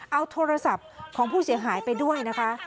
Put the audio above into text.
เอาโทรศัพท์ของผู้เสียหายไปด้วยนะคะ